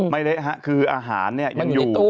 เละฮะคืออาหารเนี่ยยังอยู่